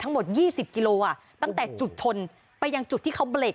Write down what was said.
ทั้งหมด๒๐กิโลตั้งแต่จุดชนไปยังจุดที่เขาเบรก